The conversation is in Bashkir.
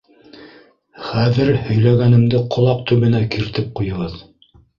— Хәҙер һөйләгәнемде ҡолаҡ төбөнә киртеп ҡуйығыҙ.